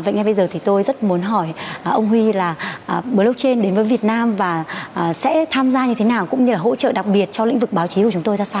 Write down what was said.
vậy ngay bây giờ thì tôi rất muốn hỏi ông huy là blockchain đến với việt nam và sẽ tham gia như thế nào cũng như là hỗ trợ đặc biệt cho lĩnh vực báo chí của chúng tôi ra sao ạ